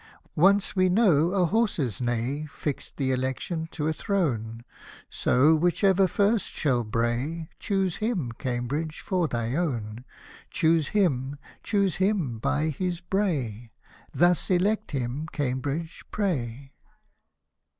Once, we know, a horse's neigh Fixed th^ election to a throne, So, which ever first shall bray^ Choose him, Cambridge, for thy own. Choose him, choose him by his bray, Thus elect him, Cambridge, pray.